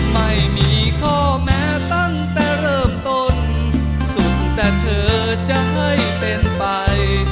ไม่มีข้อแม้ตั้งแต่เริ่มต้นสุดแต่เธอจะให้เป็นไป